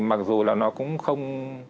mặc dù là nó cũng không